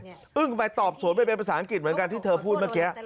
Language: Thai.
อึ้งไปตอบสวนไปเป็นภาษาอังกฤษเหมือนกันที่เธอพูดเมื่อกี้